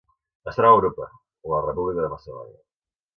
Es troba a Europa: la República de Macedònia.